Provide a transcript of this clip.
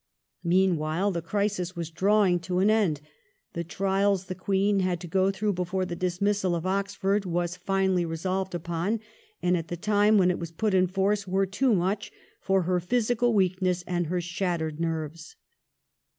Meanwhile the crisis was drawing to an end. The trials the Queen had to go through before the dismissal of Oxford was finally resolved upon, and at the time when it was put in force, were too much for her physical weakness and her shattered nerves.